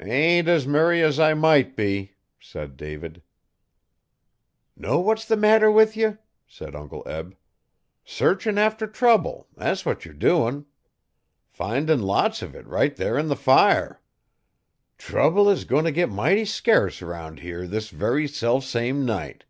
'Ain't as merry as I might be,' said David. 'Know what's the matter with ye,' said Uncle Eb. 'Searchin' after trouble thet's what ye're doin'. Findin' lots uv it right there 'n the fire. Trouble 's goiti' t' git mighty scurce 'round here this very selfsame night.